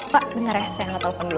pak dengar ya saya angkat telepon dulu